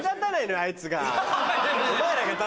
あいつが。